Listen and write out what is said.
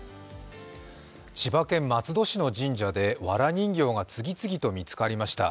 千葉県松戸市の神社でわら人形が次々と見つかりました。